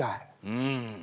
うん。